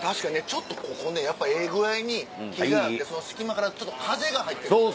ちょっとここねやっぱええ具合に木があってその隙間から風が入ってくるのよ。